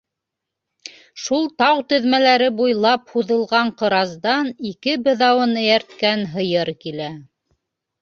Шул тау теҙмәләре буйлап һуҙылған ҡыраздан ике быҙауын эйәрткән һыйыр килә.